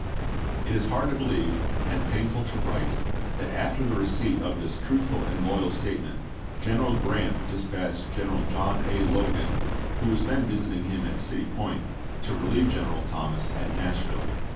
It is hard to believe, and painful to write, that after the receipt of this truthful and loyal state ment, General Grant dispatched General John A. Logan, who was then visiting him at City Point, to relieve General Thomas at Nashville.